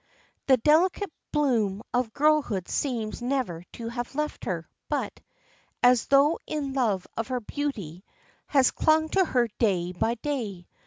The delicate bloom of girlhood seems never to have left her, but as though in love of her beauty has clung to her day by day.